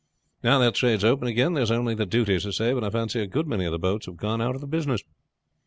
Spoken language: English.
Now that trade is open again there is only the duty to save, and I fancy a good many of the boats have gone out of the business.